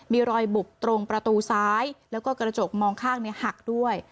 มีรอยบุบตรงประตูซ้ายแล้วก็กระจกมองข้างหักด้วย